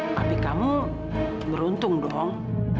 papi kamu beruntung dong